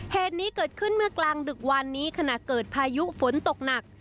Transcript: เหตุนี้เกิดขึ้นเมื่อกลางดึกวันนี้ขณะเกิดพายุฝนตกหนัก